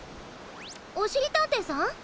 おしりたんていさん？